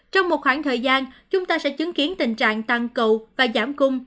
trong một khoảng thời gian chúng ta sẽ chứng kiến tình trạng tăng cầu và giảm cung